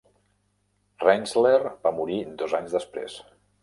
Rentschler va morir dos anys després.